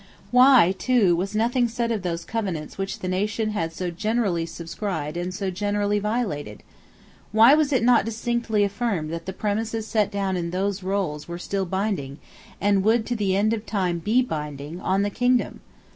Why, too, was nothing said of those Covenants which the nation had so generally subscribed and so generally violated? Why was it not distinctly affirmed that the promises set down in those rolls were still binding, and would to the end of time be binding, on the kingdom?